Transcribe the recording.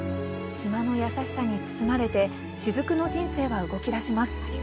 島の優しさに包まれて雫の人生は動きだします。